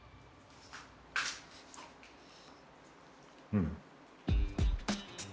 うん。